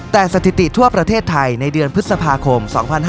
แต่สถิติทั่วประเทศไทยในเดือนพฤษภาคม๒๕๕๙